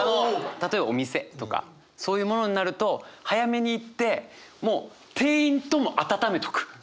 例えばお店とかそういうものになると早めに行ってもう店員とも温めとく！